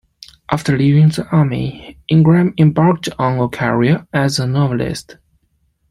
After leaving the Army, Ingram embarked on a career as a novelist.